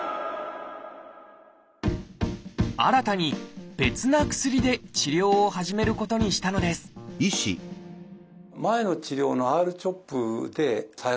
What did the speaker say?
新たに別な薬で治療を始めることにしたのです根本さん